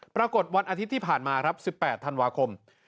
ปรากฏวันอาทิตย์ที่ผ่านมา๑๘ธันวาคม